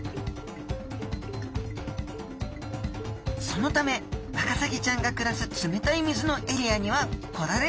そのためワカサギちゃんが暮らす冷たい水のエリアには来られません。